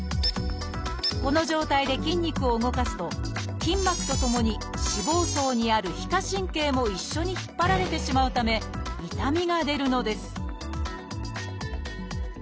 この状態で筋肉を動かすと筋膜とともに脂肪層にある皮下神経も一緒に引っ張られてしまうため痛みが出るのです